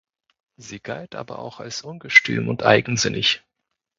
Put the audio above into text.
Sie galt aber auch als ungestüm und eigensinnig.